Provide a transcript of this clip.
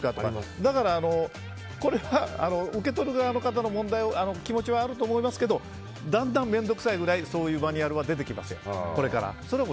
だからこれは受け取る側の方の気持ちはあると思いますけどどんどん面倒くさいそういうマニュアルはこれから出てきますよ。